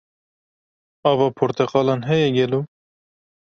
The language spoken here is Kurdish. Ava porteqalan heye gelo?